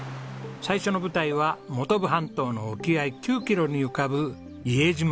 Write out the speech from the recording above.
最初の舞台は本部半島の沖合９キロに浮かぶ伊江島です。